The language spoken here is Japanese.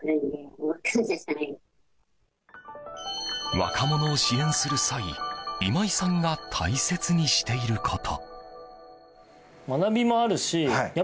若者を支援する際今井さんが大切にしていること。